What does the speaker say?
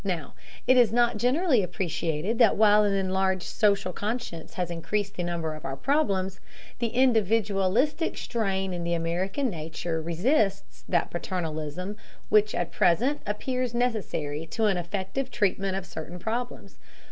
Now, it is not generally appreciated that while an enlarged social conscience has increased the number of our problems, the individualistic strain in the American nature resists that paternalism which at present appears necessary to an effective treatment of certain problems.